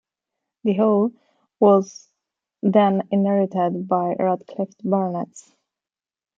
The hall was then inherited by the Radcliffe Baronets.